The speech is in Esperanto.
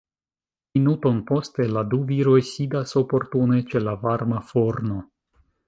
Minuton poste la du viroj sidas oportune ĉe la varma forno.